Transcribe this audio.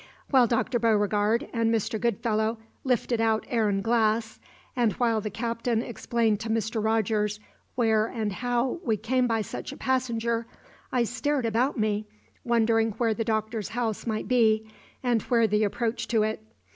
While Dr. Beauregard and Mr. Goodfellow lifted out Aaron Glass, and while the Captain explained to Mr. Rogers where and how we came by such a passenger, I stared about me, wondering where the Doctor's house might be and where the approach to it.